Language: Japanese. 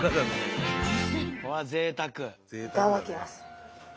いただきます。